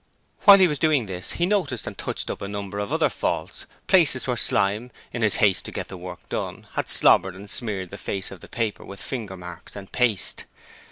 While he was doing this he noticed and touched up a number of other faults; places where Slyme in his haste to get the work done had slobbered and smeared the face of the paper with fingermarks and paste.